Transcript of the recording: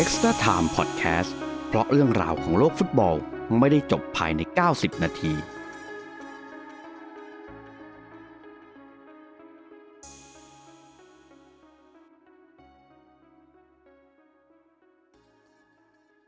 สวัสดีครับผมสวัสดีครับผมสวัสดีครับผม